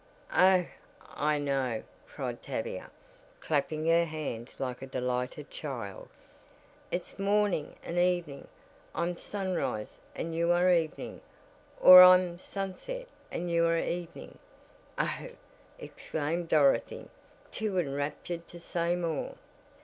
"Oh, I know," cried Tavia, clapping her hands like a delighted child, "It's morning and evening. I'm sunrise and you are evening. Or I'm sunset and you are evening." "Oh!" exclaimed Dorothy, too enraptured to say more.